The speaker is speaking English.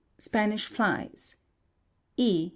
Spanish Flies. E.